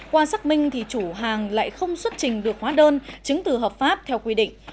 qua xác minh thì chủ hàng lại không xuất trình được hóa đơn chứng từ hợp pháp theo quy định